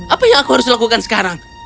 apa yang aku harus lakukan sekarang